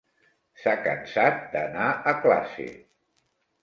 S'ha cansat d'anar a classe.